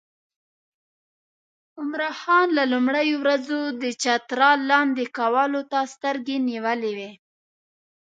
عمرا خان له لومړیو ورځو د چترال لاندې کولو ته سترګې نیولې وې.